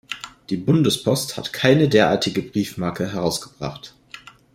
Die Bundespost hat keine derartige Briefmarke herausgebracht.